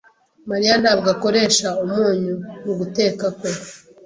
Mariya ntabwo akoresha umunyu muguteka kwe.